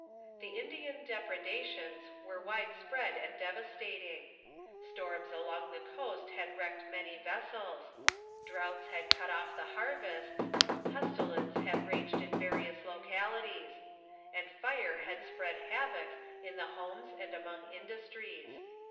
The Indian depredations were Avidesprcad and devastating; storms along the coast had wrecked many vessels ; droughts had cut off the harvests ; pestilence had raged in various local ities; and fire had spread havoc in the homes and among in dustries.